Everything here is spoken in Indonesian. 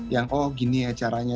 yang oh gini ya caranya